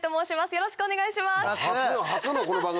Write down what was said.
よろしくお願いします。